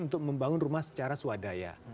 untuk membangun rumah secara swadaya